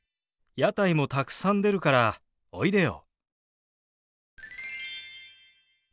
「屋台もたくさん出るからおいでよ」。